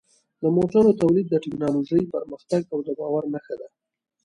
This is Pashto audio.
د موټرو تولید د ټکنالوژۍ پرمختګ او د باور نښه ده.